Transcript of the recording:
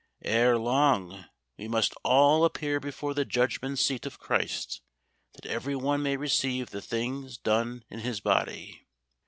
Ere long "we must all appear before the judgment seat of CHRIST; that every one may receive the things done in his body."